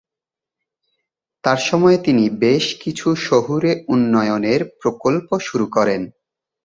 তার সময়ে তিনি বেশ কিছু শহুরে উন্নয়নের প্রকল্প শুরু করেন।